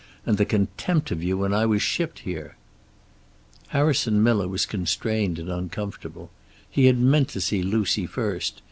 And the contempt of you when I was shipped here!" Harrison Miller was constrained and uncomfortable. He had meant to see Lucy first.